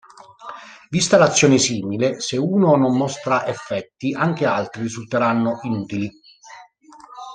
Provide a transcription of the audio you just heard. Vista l'azione simile, se uno non mostra effetti anche altri risulteranno inutili.